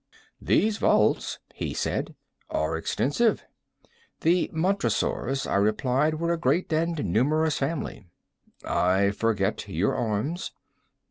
"These vaults," he said, "are extensive." "The Montresors," I replied, "were a great and numerous family." "I forget your arms."